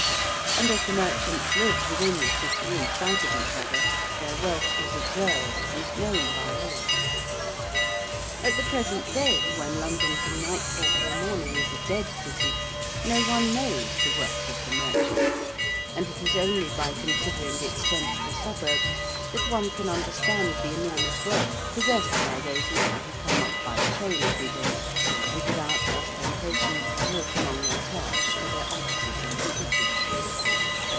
And as the merchants lived within the City, in sight of each other, their wealth was observed and known by all. At the present day, when London from nightfall till morning is a dead city, no one knows the wealth of the merchants and it is only by considering the extent of the suburbs that one can understand the enormous wealth possessed by those men who come up by train every day and without ostentation walk among their clerks to their offices in the City.